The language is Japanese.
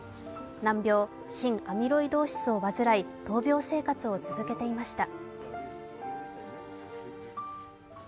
難病・心アミロイドーシスを患い、闘病生活を続けていました。